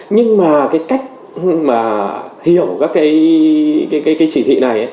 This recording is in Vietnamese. nhưng mà cái cách mà hiểu các cái chỉ thị này